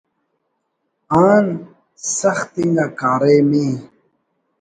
آن سخت انگا کاریم ءِ